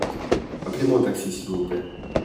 Appelez-moi un taxi s'il vous plait.